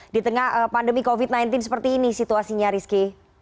di tengah pandemi covid sembilan belas seperti ini situasinya rizky